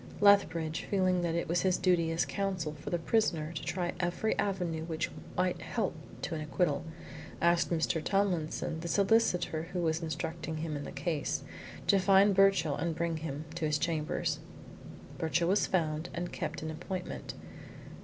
Lethbridge, feeling that it was his duty as Counsel for the prisoner to try every avenue which might help to an acquittal, asked Mr. Tomlinson, the solicitor who was instructing him in the case, to find Birchill and bring him to his chambers. Birchill was found and kept an appointment.